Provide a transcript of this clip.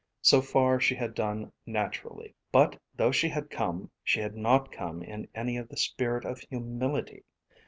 So far she had done naturally. But though she had come, she had not come in any of the spirit of humility.